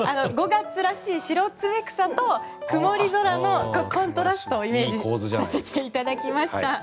５月らしいシロツメクサと曇り空のコントラストをイメージさせていただきました。